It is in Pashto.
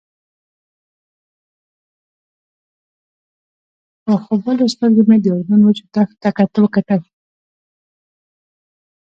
په خوبولو سترګو مې د اردن وچو دښتو ته وکتل.